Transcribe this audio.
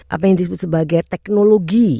apa yang disebut sebagai teknologi